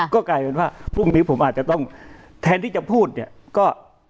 ก็กลายเป็นว่าพรุ่งนี้ผมอาจจะต้องแทนที่จะพูดเนี่ยก็